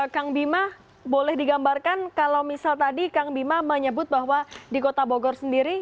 kang bima boleh digambarkan kalau misal tadi kang bima menyebut bahwa di kota bogor sendiri